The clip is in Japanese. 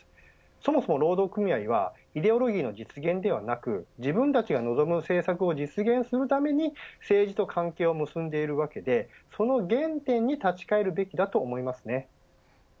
そもそも労働組合はイデオロギーの実現ではなく自分たちが望む政策を実現するために政治と関係を結んでいるわけでその原点に立ち返るべきだと思いますね。